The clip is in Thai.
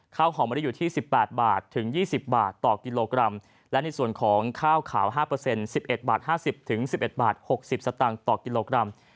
ข้าวหอมะลิอยู่ที่สิบแปดบาทถึงยี่สิบบาทต่อกิโลกรัมและในส่วนของข้าวขาวห้าเปอร์เซ็นต์สิบเอ็ดบาทห้าสิบถึงสิบเอ็ดบาทหกสิบสตางค์ต่อกิโลกรัม